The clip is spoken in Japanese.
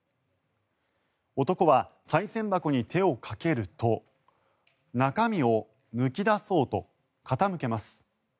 男はさい銭箱に手をかけると中身を抜き出そうと傾けます。